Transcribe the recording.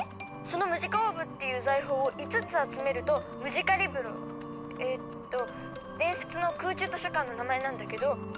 その「ムジカオーブ」っていう財宝を５つ集めると「ムジカリブロ」えっと伝説の空中図書館の名前なんだけどその扉が開くってわけ。